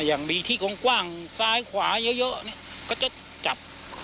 อย่างดีที่กว้างซ้ายขวาเยอะก็จะจับ